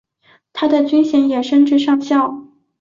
他的军衔也升至上校。